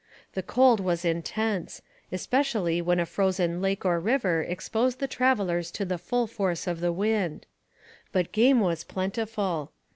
The cold was intense, especially when a frozen lake or river exposed the travellers to the full force of the wind. But game was plentiful.